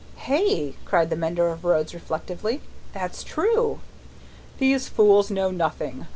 "Hey!" cried the mender of roads, reflectively; "that's true." "These fools know nothing.